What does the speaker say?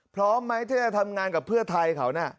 พร้อมไหมที่จะทำงานกับเพื่อไทยเขาน่ะ